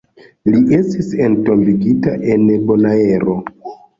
Li estis entombigita en Bonaero.